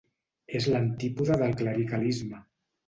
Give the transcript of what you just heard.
És l'antípoda del clericalisme.